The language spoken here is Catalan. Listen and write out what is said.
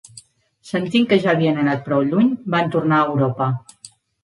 Sentint que ja havien anat prou lluny, van tornar a Europa.